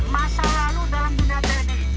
masa lalu dalam dunia tni